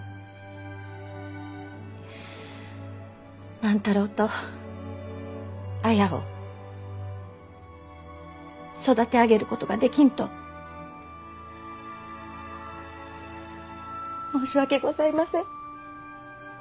万太郎と綾を育て上げることができんと申し訳ございません。